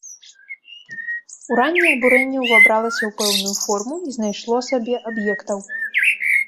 Уранні абурэнне ўвабралася ў пэўную форму і знайшло сабе аб'ектаў.